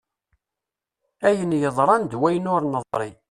Ayen yeḍran d wayen ur neḍri.